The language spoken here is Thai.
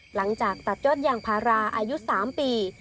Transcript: หลังจากตัดยอดยางพาราอายุ๓ปี